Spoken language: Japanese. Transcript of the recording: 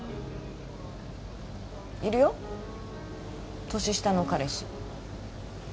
いるよ年下の彼氏